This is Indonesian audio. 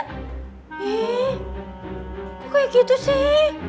kok kayak gitu sih